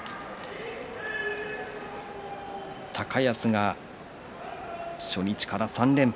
高安が初日から３連敗。